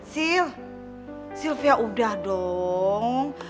sil silvia udah dong